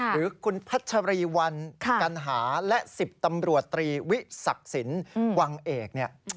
หรือคุณพัชรีวัลกัณหาและ๑๐ตำรวจตรีวิศักดิ์สินวังเอกเนี่ย